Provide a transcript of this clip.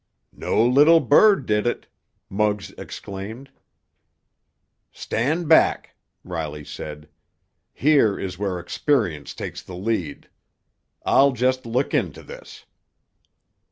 "No little bird did it!" Muggs exclaimed. "Stand back!" Riley said. "Here is where experience takes the lead. I'll just look into this."